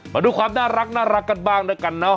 มาดูความน่ารักกันบ้างด้วยกันนะ